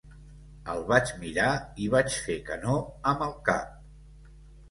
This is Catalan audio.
El vaig mirar i vaig fer que no amb el cap.